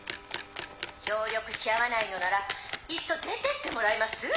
協力し合わないのならいっそ出てってもらえます？